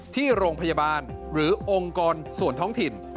ที่โรงพยาบาลหรือองค์กรส่วนท้องถิ่น